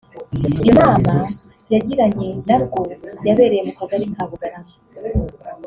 Iyo nama yagiranye na rwo yabereye mu kagari ka Bugarama